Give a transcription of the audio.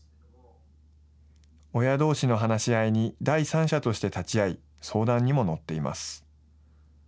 親どうしの話し合いに第三者として立ち会い、相談にも乗っています。